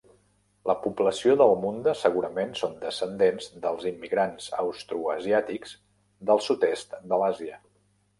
La població de Munda segurament són descendents del immigrants austroasiàtics del sud-est de l'Àsia.